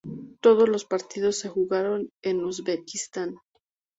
Todos los partidos se jugaron en Uzbekistán.